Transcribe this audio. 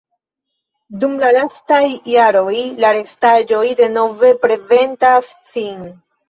Dum la lastaj jaroj la restaĵoj denove prezentas sin.